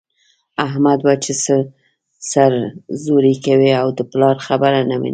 احمد وچه سر زوري کوي او د پلار خبره نه مني.